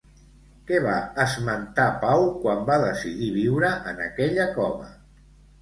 Què va esmentar Pau quan va decidir viure en aquella cova?